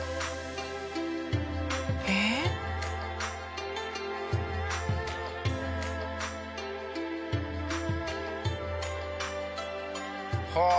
ええ？はあ！